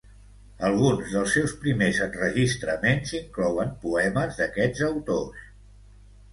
Alguns dels seus primers enregistraments inclouen poemes d'aquests autors.